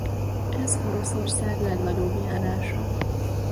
Ez Oroszország legnagyobb járása.